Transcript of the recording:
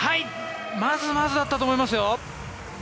まずまずだったと思いますよ。